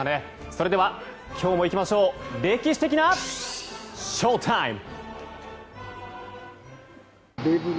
それでは今日もいきましょう歴史的なショウタイム。